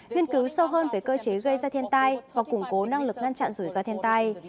nghiên cứu sâu hơn về cơ chế gây ra thiên tai và củng cố năng lực ngăn chặn rủi ro thiên tai